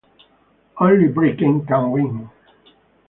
Only Bracken can win!